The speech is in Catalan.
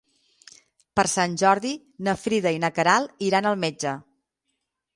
Per Sant Jordi na Frida i na Queralt iran al metge.